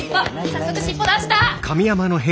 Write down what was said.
早速尻尾出した！